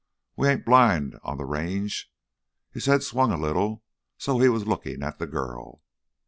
We ain't blind on th' Range." His head swung a little so he was looking at the girl.